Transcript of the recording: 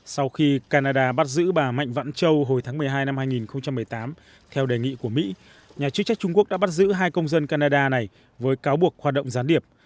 sau khi canada bắt giữ bà mạnh vãn châu hồi tháng một mươi hai năm hai nghìn một mươi tám theo đề nghị của mỹ nhà chức trách trung quốc đã bắt giữ hai công dân canada này với cáo buộc hoạt động gián điệp